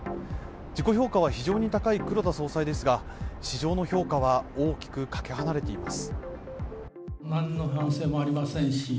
自己評価は非常に高い黒田総裁ですが市場の評価は大きくかけ離れています。